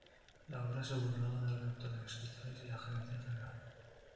La obra se burlaba de los actores, escritores y la gerencia en general.